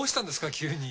急に。